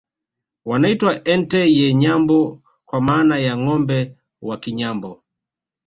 Wanaitwa Ente ye Nyambo kwa maana ya Ngombe wa Kinyambo